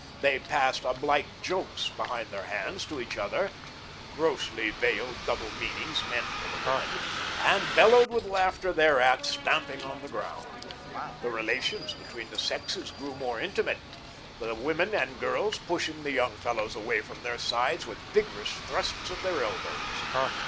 They passed oblique jokes behind their hands to each other grossly veiled double meanings meant for the women and bellowed with laughter thereat, stamping on the ground. The relations between the sexes grew more intimate, the women and girls pushing the young fellows away from their sides with vigorous thrusts of their elbows.